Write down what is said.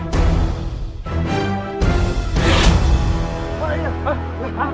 ini adalah si yang ditinggalkannya